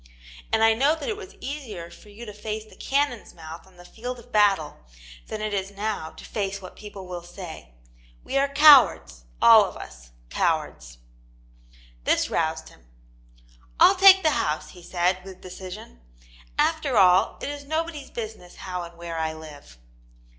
And I know that it was easier for you to foce the cannon's mouth on the field of battle than it is now to face what people will say. We are cowards, all of us, sad cowards." This roused him. "I'll take the house," he said, with decision. "After all, it is nobody's business how and where I live."